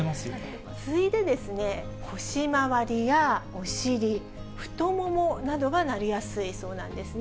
次いで、腰回りやお尻、太ももなどがなりやすいそうなんですね。